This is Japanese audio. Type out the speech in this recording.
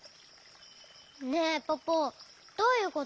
ねえポポどういうこと？